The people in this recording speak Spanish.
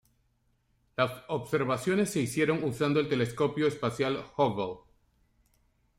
Las observaciones se hicieron usando el Telescopio Espacial Hubble.